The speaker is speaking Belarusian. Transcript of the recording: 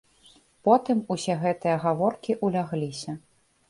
Потым усе гэтыя гаворкі ўлягліся.